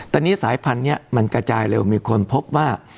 ตอนนี้สายพันธุ์นี้มันกระจายเร็วมีคนพบว่า